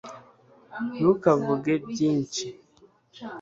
ntukavuge byinshi